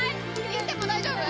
いっても大丈夫？